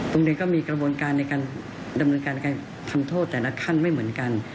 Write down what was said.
โรงเรียนก็มีกระบวนการในการทำโทษแต่ละขั้นไม่เหมือนกัน